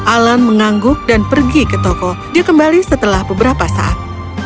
alan mengangguk dan pergi ke toko dia kembali setelah beberapa saat